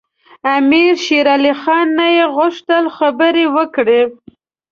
امیر شېرعلي خان نه غوښتل خبرې وکړي.